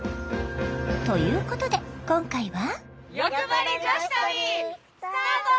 ということで今回は。